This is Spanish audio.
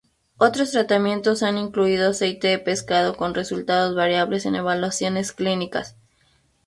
Otros tratamientos han incluido aceite de pescado con resultados variables en evaluaciones clínicas.